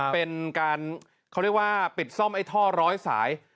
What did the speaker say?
เป็นการเขาเรียกว่าปิดซ่อมไอ้ท่อร้อยสาย